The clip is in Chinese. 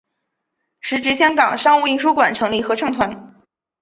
时值香港商务印书馆成立合唱团。